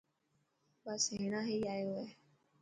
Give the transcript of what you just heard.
بس هينڻا هي آيو هي.